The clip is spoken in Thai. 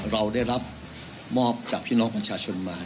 เราได้รับมอบจากพี่น้องประชาชนมา